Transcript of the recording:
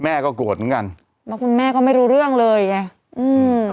โกรธเหมือนกันเพราะคุณแม่ก็ไม่รู้เรื่องเลยไงอืม